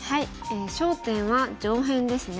焦点は上辺ですね。